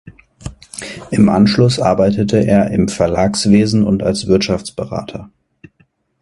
Im Anschluss arbeitete er im Verlagswesen und als Wirtschaftsberater.